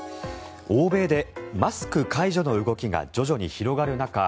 欧米でマスク解除の動きが徐々に広がる中